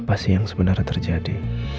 apa yang sebenarnya terjadi